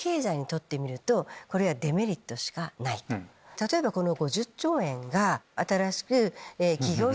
例えばこの。